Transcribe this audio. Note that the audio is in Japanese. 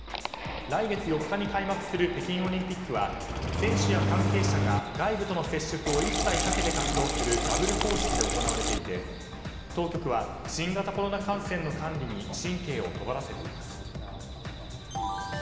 来月４日に開幕する北京オリンピックは選手や関係者が、外部との接触を一切避けて活動するバブル方式で行われていて当局は新型コロナ感染の管理に神経をとがらせています。